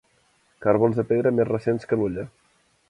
Carbons de pedra més recents que l'hulla.